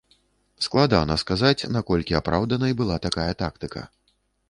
Складана сказаць, наколькі апраўданай была такая тактыка.